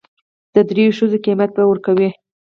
د درېو ښځو قيمت به ور کوي.